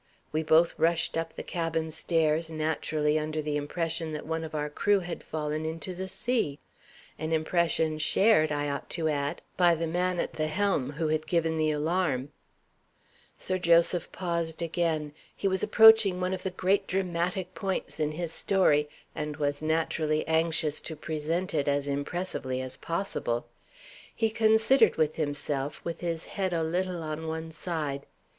We both rushed up the cabin stairs, naturally under the impression that one of our crew had fallen into the sea: an impression shared, I ought to add, by the man at the helm, who had given the alarm." Sir Joseph paused again. He was approaching one of the great dramatic points in his story, and was naturally anxious to present it as impressively as possible. He considered with himself, with his head a little on one side.